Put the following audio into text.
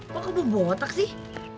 kok kebobotak sih